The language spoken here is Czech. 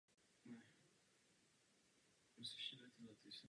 Pracuje jako účetní.